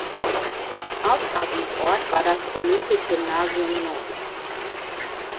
Austragungsort war das "Olympic Gymnasium No.